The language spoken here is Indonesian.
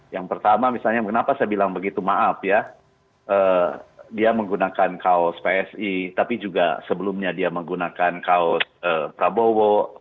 yang pertama misalnya kenapa saya bilang begitu maaf ya dia menggunakan kaos psi tapi juga sebelumnya dia menggunakan kaos prabowo